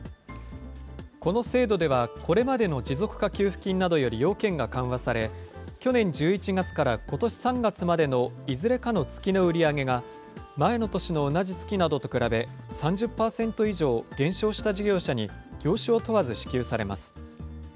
この制度では、これまでの持続化給付金などより要件が緩和され、去年１１月からことし３月までのいずれかの月の売り上げが、前の年の同じ月などと比べ３０％以上減少した事業者に業種を問わず支給されます。